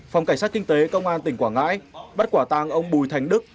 phòng cảnh sát kinh tế công an tỉnh quảng ngãi bắt quả tàng ông bùi thánh đức